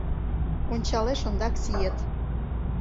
Ончалеш ондак сиет.